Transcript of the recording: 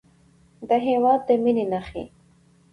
د هېواد د مینې نښې